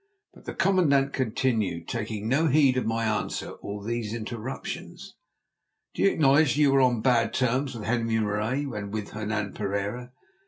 But the commandant continued, taking no heed of my answer or these interruptions. "Do you acknowledge that you were on bad terms with Henri Marais and with Hernan Pereira?"